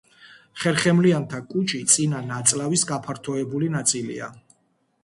ხერხემლიანთა კუჭი წინა ნაწლავის გაფართოებული ნაწილია.